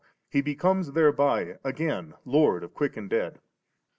He becomes thereby again Lord of quick and dead.